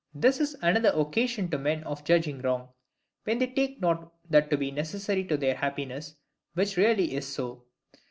This is another occasion to men of judging wrong; when they take not that to be necessary to their happiness which really is so.